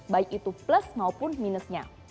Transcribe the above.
baik itu plus maupun minusnya